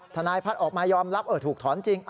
ทนายพัฒน์ออกมายอมรับถูกถอนจริง